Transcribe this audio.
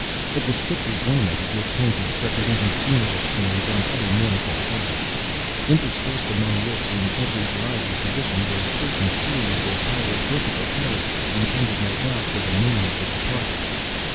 It was thickly ornamented with paintings, representing funeral scenes, and other mournful subjects—interspersed among which, in every variety of position, were certain series of hieroglyphical characters, intended, no doubt, for the name of the departed.